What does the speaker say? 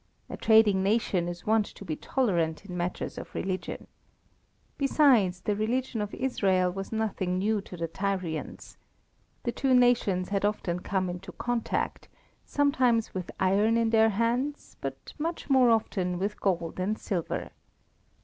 A trading nation is wont to be tolerant in matters of religion. Besides, the religion of Israel was nothing new to the Tyrians. The two nations had often come into contact, sometimes with iron in their hands, but much more often with gold and silver.